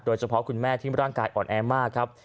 โดยเฉพาะคุณแม่ที่ร่างกายอ่อนแอมากครับ